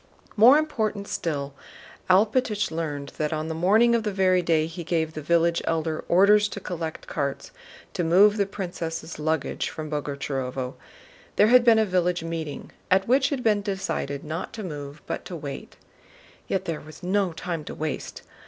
More important still, Alpátych learned that on the morning of the very day he gave the village Elder orders to collect carts to move the princess' luggage from Boguchárovo, there had been a village meeting at which it had been decided not to move but to wait. Yet there was no time to waste.